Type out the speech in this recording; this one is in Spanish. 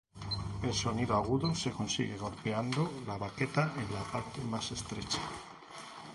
El sonido agudo se consigue golpeando la baqueta en la parte más estrecha.